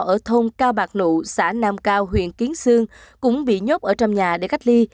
ở thôn cao bạc nụ xã nam cao huyện kiến sương cũng bị nhốt ở trong nhà để cách ly